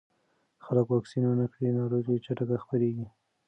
که خلک واکسین ونه کړي، ناروغي چټکه خپرېږي.